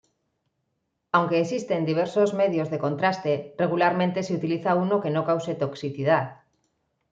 Aunque existen diversos medios de contraste, regularmente se utiliza uno que no cause toxicidad.